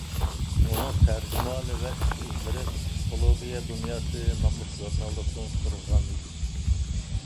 ئۇنىڭ تەرجىمىھالى ۋە ئىش-ئىزلىرى «پسىخولوگىيە دۇنياسى» ناملىق ژۇرنالدا تونۇشتۇرۇلغان ئىدى.